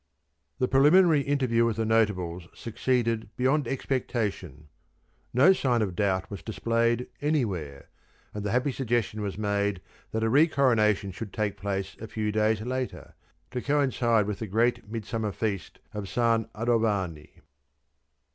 The preliminary interview with the notables succeeded beyond expectation. No sign of doubt was displayed anywhere, and the happy suggestion was made that a re coronation should take place a few days later, to coincide with the great Midsummer feast of San Adovani.